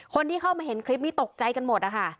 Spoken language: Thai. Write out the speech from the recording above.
คนที่เข้ามาเห็นคลิปนี้ตกใจกันหมดนะคะ